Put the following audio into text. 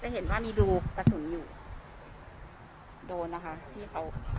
จะเห็นว่ามีดูประสุนอยู่โดนนะคะ